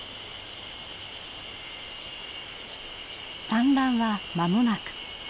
産卵は間もなく。